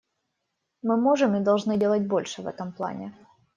Мы можем и должны делать больше в этом плане.